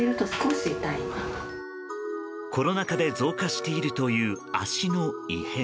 コロナ禍で増加しているという足の異変。